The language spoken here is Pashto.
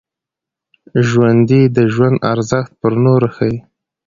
ژوندي د ژوند ارزښت پر نورو ښيي